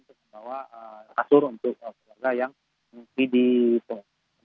untuk membawa kasur untuk warga yang mesti dipungut